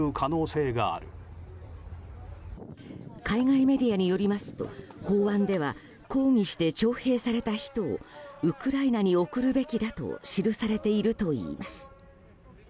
海外メディアによりますと法案では抗議して徴兵された人をウクライナに送るべきだと記されているといいます。